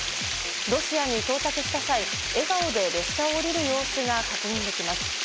ロシアに到着した際、笑顔で列車を降りる様子が確認できます。